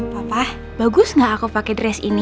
papa bagus gak aku pakai dress ini